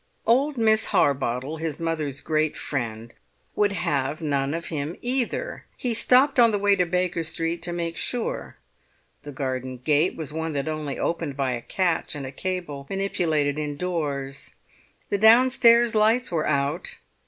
Old Miss Harbottle, his mother's great friend, would have none of him either! He stopped on the way to Baker Street to make sure. The garden gate was one that only opened by a catch and a cable manipulated indoors. The downstairs lights were out.